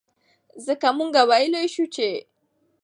ځکه مونږ وئيلے شو چې